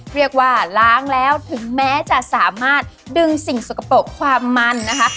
เรียกว่าล้างแล้วถึงแม้จะสามารถดึงสิ่งสกปรกความมันนะคะ